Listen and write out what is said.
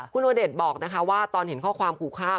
คุณโอเดชน์บอกว่าตอนเห็นข้อความขู่ข้า